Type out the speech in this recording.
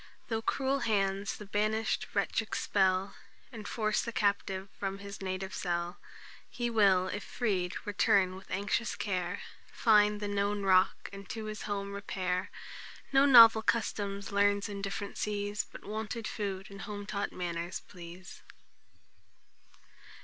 Though cruel hands the banish'd wretch expel, And force the captive from his native cell, He will, if freed, return with anxious care, Find the known rock, and to his home repair; No novel customs learns in different seas, But wonted food and home taught manners please."